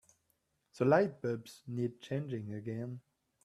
The lightbulbs need changing again.